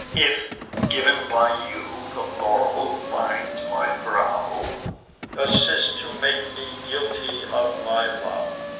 If, giv'n by you, the laurel bind my brow, Assist to make me guilty of my vow!